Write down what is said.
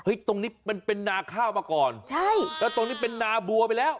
ตรงนี้มันเป็นนาข้าวมาก่อนใช่แล้วตรงนี้เป็นนาบัวไปแล้ว